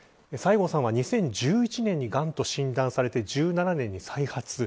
西郷さんは、２０１１年がんと診断されて１７年に再発。